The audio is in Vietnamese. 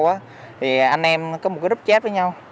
thì anh em có một group chat với nhau